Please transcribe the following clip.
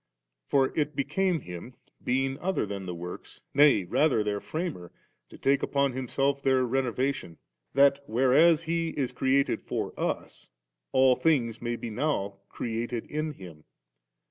For it became Him, being other than the works, nay rather their Framer, to take upon Himself their renovations, that, whereas He is created for us, all things may be now created in Him.